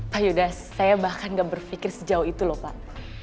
pak yuda saya bahkan gak berpikir sejauh itu lho pak